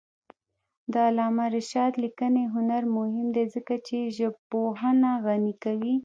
د علامه رشاد لیکنی هنر مهم دی ځکه چې ژبپوهنه غني کوي.